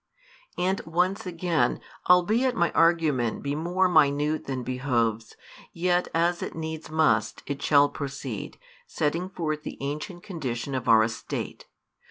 And once again, albeit my argument be more minute than behoves, yet, as it needs must, it shall proceed, setting forth the ancient condition of our estate.